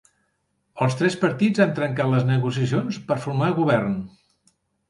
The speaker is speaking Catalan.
Els tres partits han trencat les negociacions per formar govern